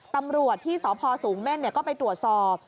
ตำรวจที่สพสูงเม่นก็ไปตรวจสอบ